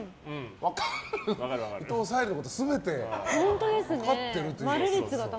伊藤沙莉のこと全て分かってるという。